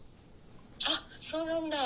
あっそうなんだ。